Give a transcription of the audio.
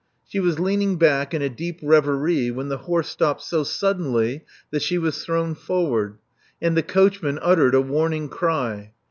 She was leaning back in a deep reverie when the horse stopped so sud denly that she was thrown forward; and the coach man uttered a warning cry.